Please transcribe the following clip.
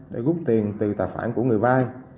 để gút tiền từ tài khoản của người vay